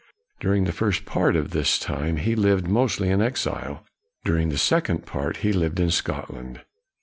During the first part of this time he lived mostly in exile; dur ing the second part, he lived in Scotland.